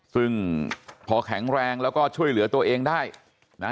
ซึ่งพอแข็งแรงแล้วก็ช่วยเหลือตัวเองได้นะ